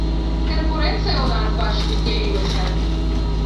Канкурэнцыя ў нас, бачыце, з'явілася!